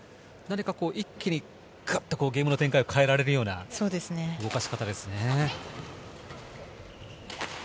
一気にガッとゲームの展開を変えられるような動かし方ですね。